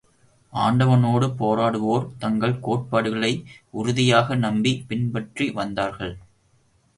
ஆண்டவனோடு போராடுவோர், தங்கள் கோட்பாடுகளை உறுதியாக நம்பிப் பின்பற்றி வந்தார்கள்.